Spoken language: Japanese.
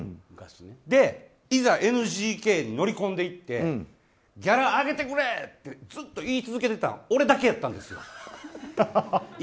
それで、いざＮＧＫに乗り込んでいってギャラ上げてくれ！ってずっと言い続けてたん俺だけやったんです。